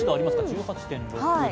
１８．６度。